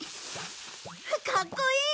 かっこいい！